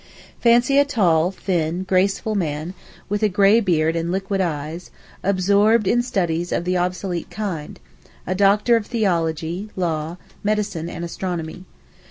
Fancy a tall, thin, graceful man, with a grey beard and liquid eyes, absorbed in studies of the obsolete kind, a doctor of theology, law, medicine and astronomy.